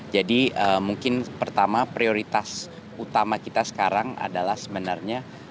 jadi mungkin pertama prioritas utama kita sekarang adalah sebenarnya